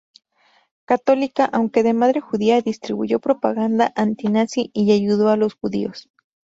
Católica, aunque de madre judía, distribuyó propaganda antinazi y ayudó a los judíos.